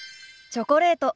チョコレート。